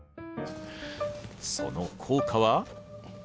その効果は？